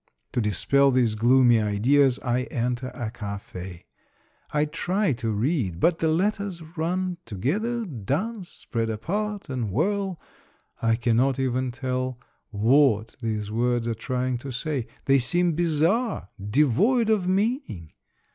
To dispel these gloomy ideas, I enter a cafe. I try to read, but the letters run together, dance, spread apart, and whirl. I cannot even tell what these words are trying to say ; they seem bizarre, devoid of meaning.